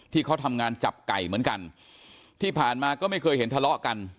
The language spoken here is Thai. ที่เขาทำงานจับไก่เหมือนกันที่ผ่านมาก็ไม่เคยเห็นทะเลาะกัน